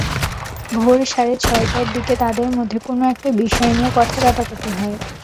ভোর সাড়ে ছয়টার দিকে তাঁদের মধ্যে কোনো একটা বিষয় নিয়ে কথা-কাটাকাটি হয়।